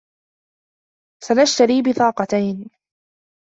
سنشتري بطاقتين.